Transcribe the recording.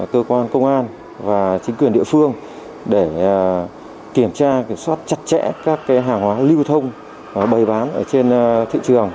cơ quan công an và chính quyền địa phương để kiểm tra kiểm soát chặt chẽ các hàng hóa lưu thông bày bán ở trên thị trường